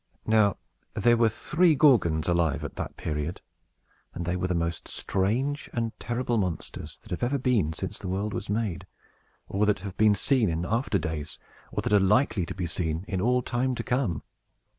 Now, there were three Gorgons alive at that period; and they were the most strange and terrible monsters that had ever been since the world was made, or that have been seen in after days, or that are likely to be seen in all time to come.